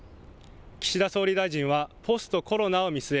岸田総理大臣はポストコロナを見据え